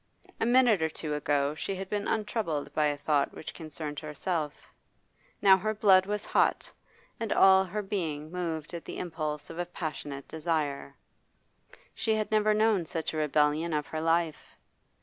A minute or two ago she had been untroubled by a thought which concerned herself; now her blood was hot, and all her being moved at the impulse of a passionate desire. She had never known such a rebellion of her life.